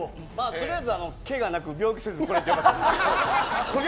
取りあえずけがなく病気せず来られてよかった。